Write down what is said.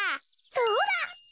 そうだ！